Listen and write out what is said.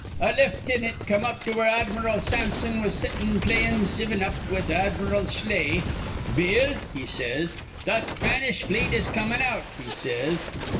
A liftnant come up to where Admiral Sampson was settin' playin' sivin up with Admiral Schley. 'Bill,' he says, 'th' Spanish fleet is comin' out,' he says.